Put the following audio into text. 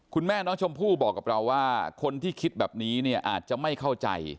คุณแม่น้องชมพู่บอกกับเราว่าคนที่คิดแบบนี้เนี่ยอาจจะไม่เข้าใจ